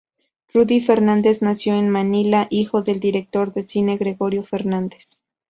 Rudy Fernández nació en Manila, hijo del director de cine Gregorio Fernandez.